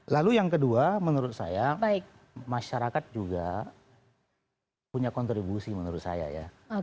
lalu yang kedua menurut saya masyarakat juga punya kontribusi menurut saya ya